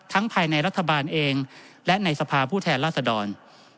ภายในรัฐบาลเองและในสภาผู้แทนราษดร